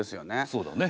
そうだね。